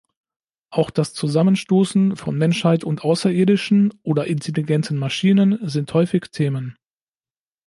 Auch das Zusammenstoßen von Menschheit und Außerirdischen oder intelligenten Maschinen sind häufig Themen.